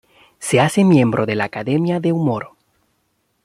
Se hace miembro de la Academia de Humor.